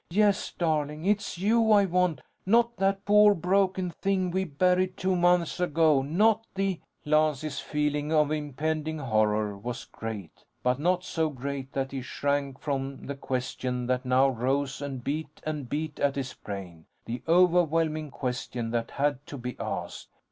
Yes, darling, it's you I want, not that poor broken thing we buried two months ago. Not the " Lance's feeling of impending horror was great, but not so great that he shrank from the question that now rose and beat and beat at his brain. The overwhelming question that had to be asked.